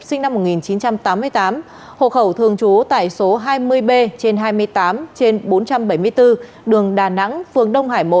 sinh năm một nghìn chín trăm tám mươi tám hộ khẩu thường trú tại số hai mươi b trên hai mươi tám trên bốn trăm bảy mươi bốn đường đà nẵng phường đông hải một